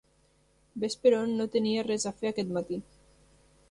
Ves per on no tenia res a fer aquest matí!